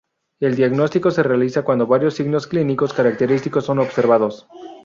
El diagnóstico se realiza cuando varios signos clínicos característicos son observados.